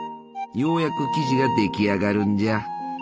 ようやく生地が出来上がるんじゃ。